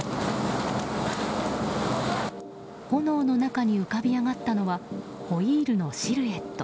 炎の中に浮かび上がったのはホイールのシルエット。